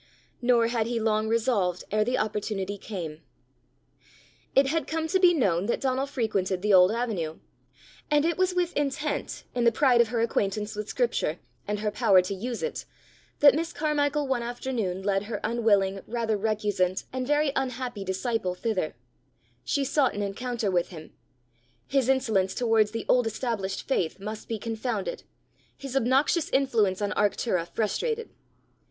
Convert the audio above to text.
Nor had he long resolved ere the opportunity came. It had come to be known that Donal frequented the old avenue, and it was with intent, in the pride of her acquaintance with scripture, and her power to use it, that Miss Carmichael one afternoon led her unwilling, rather recusant, and very unhappy disciple thither: she sought an encounter with him: his insolence towards the old established faith must be confounded, his obnoxious influence on Arctura frustrated!